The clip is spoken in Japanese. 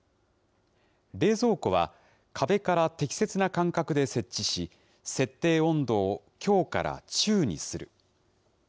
冷蔵庫は、壁から適切な間隔で設置し、設定温度を強から中にする。